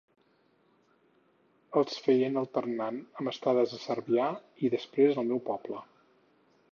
Els feien alternant amb estades a Cervià i després al meu poble.